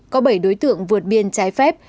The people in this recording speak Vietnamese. có bảy đối tượng vượt biên trái phép